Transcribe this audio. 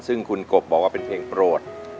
ซึ่งคุณกบบอกว่าเป็นเพลงโปรด